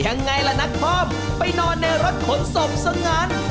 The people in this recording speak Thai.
ยังไงล่ะนักพร่อมไปนอนในรถขนศพสงาน